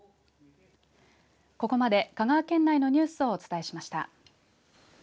ここまで香川県内のニュースをお伝えしました。